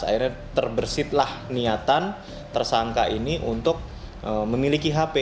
akhirnya terbersihlah niatan tersangka ini untuk memiliki hp